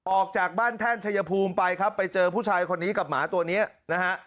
ออกจากบ้านแท่นชัยภูมิไปครับไปเจอผู้ชายคนนี้กับหมาตัวนี้นะฮะ